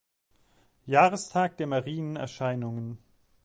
Jahrestag der Marienerscheinungen.